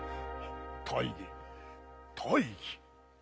大義大義？